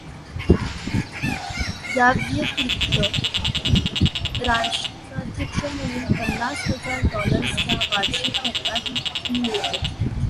याव्यतिरिक्त राष्ट्राध्यक्ष म्हणून पन्नास हजार डॉलर्सचा वार्षिक भत्ताही मिळतो.